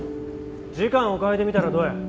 時間を変えてみたらどや。